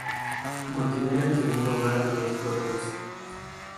Se considera el segundo hogar de los Protoss.